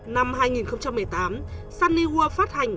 năm hai nghìn một mươi tám sunny world phát hành